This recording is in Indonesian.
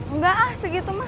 enggak ah segitu mah